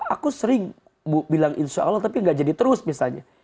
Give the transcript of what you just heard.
aku sering bilang insya allah tapi gak jadi terus misalnya